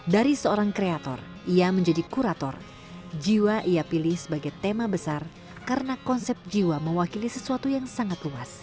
dari seorang kreator ia menjadi kurator jiwa ia pilih sebagai tema besar karena konsep jiwa mewakili sesuatu yang sangat luas